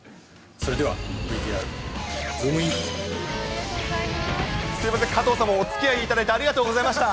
それでは、すみません、加藤さんもおつきあいいただいて、ありがとうございました。